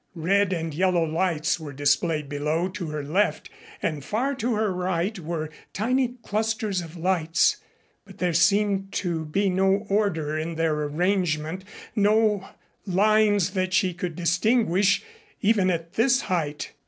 Red and yellow lights were displayed below to her left, and far to her right were tiny clusters of lights, but there seemed to be no order in their arrangement no lines that she could distinguish even at this height.